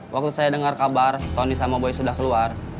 waktu saya dengar kabar tony sama boy sudah keluar